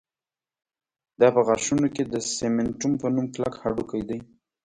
دا په غاښونو کې د سېمنټوم په نوم کلک هډوکی دی